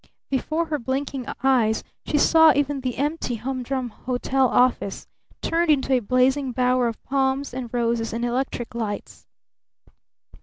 Before her blinking eyes she saw even the empty, humdrum hotel office turned into a blazing bower of palms and roses and electric lights.